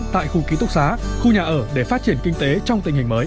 tại khu ký túc xá khu nhà ở để phát triển kinh tế trong tình hình mới